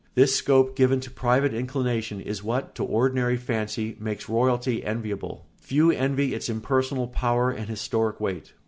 This scope given to private inclination is what, to ordinary fancy, makes royalty enviable; few envy its impersonal power and historic weight.